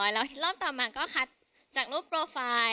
แล้วรอบต่อมาก็คัดจากรูปโปรไฟล์